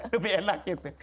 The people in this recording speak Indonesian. lebih enak gitu